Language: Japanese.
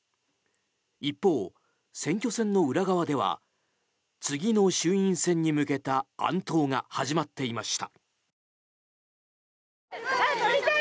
一方、選挙戦の裏側では次の衆院選に向けた暗闘が始まっていました。